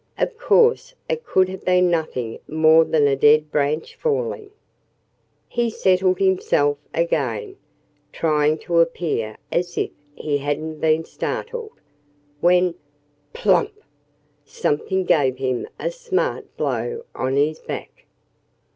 Of course it could have been nothing more than a dead branch falling. He settled himself again, trying to appear as if he hadn't been startled, when plump! something gave him a smart blow on his back.